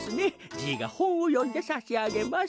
じいがほんをよんでさしあげます。